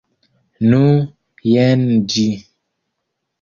Nu, jen ĝi.